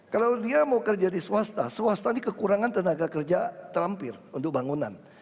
kalau dia mau kerja di swasta swasta ini kekurangan tenaga kerja terampir untuk bangunan